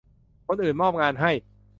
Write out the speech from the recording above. คนอื่นมอบงานให้